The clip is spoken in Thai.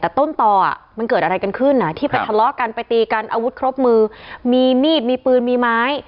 แต่ต้นต่อมันเกิดอะไรกันขึ้นที่ไปทะเลาะกันไปตีกันอาวุธครบมือมีมีดมีปืนมีไม้